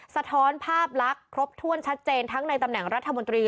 สะท้อนภาพลักษณ์ครบถ้วนชัดเจนทั้งในตำแหน่งรัฐมนตรี